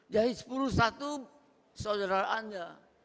jadi sepuluh satu saudara anda